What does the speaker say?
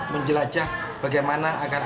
menjelajah bagaimana agar